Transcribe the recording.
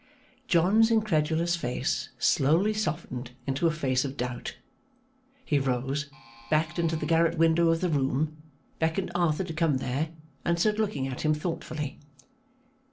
John's incredulous face slowly softened into a face of doubt. He rose, backed into the garret window of the room, beckoned Arthur to come there, and stood looking at him thoughtfully.